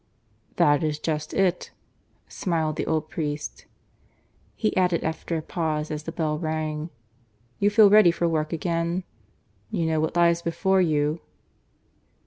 "That is just it," smiled the old priest. He added after a pause, as the bell rang "You feel ready for work again? You know what lies before you?"